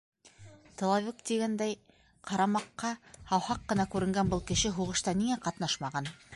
Тыловик тигәндәй, ҡарамаҡҡа һауһаҡ ҡына күренгән был кеше һуғышта ниңә ҡатнашмаған?